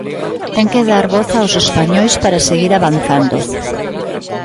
Ten que dar voz aos españois para seguir avanzando.